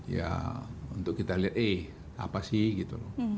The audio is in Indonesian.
ya untuk kita lihat eh apa sih gitu loh